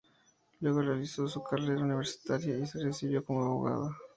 Luego finalizó su carrera universitaria y se recibió de abogada.